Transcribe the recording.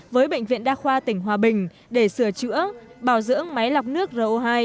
với bệnh viện đa khoa tỉnh hòa bình để sửa chữa bảo dưỡng máy lọc nước ro hai